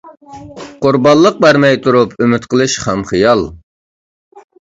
قۇربانلىق بەرمەي تۇرۇپ ئۈمىد قىلىش خام خىيال.